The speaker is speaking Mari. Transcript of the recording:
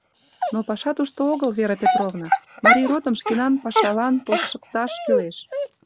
Но паша тушто огыл, Вера Петровна, Марий ротым шкенан пашалан полшыкташ кӱлеш.